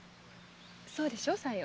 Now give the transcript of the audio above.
そうでしょ？さよ。